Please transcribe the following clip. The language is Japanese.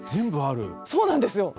そうなんです。